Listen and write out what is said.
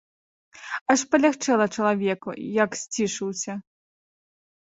Аж палягчэла чалавеку, як сцішыўся.